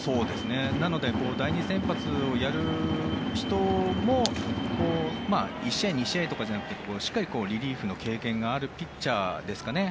なので第２先発をやる人も１試合、２試合とかじゃなくてしっかりリリーフの経験があるピッチャーですかね。